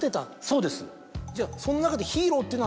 そうです。